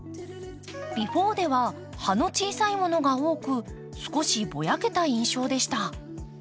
「Ｂｅｆｏｒｅ」では葉の小さいものが多く少しぼやけた印象でした。